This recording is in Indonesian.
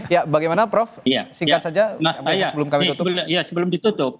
ya bagaimana prof singkat saja sebelum kami tutup